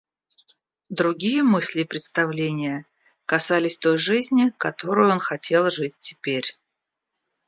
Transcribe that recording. Другие мысли и представления касались той жизни, которою он желал жить теперь.